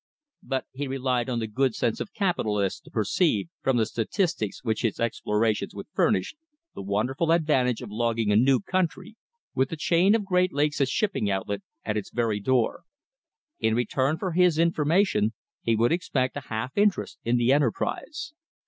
But he relied on the good sense of capitalists to perceive, from the statistics which his explorations would furnish, the wonderful advantage of logging a new country with the chain of Great Lakes as shipping outlet at its very door. In return for his information, he would expect a half interest in the enterprise.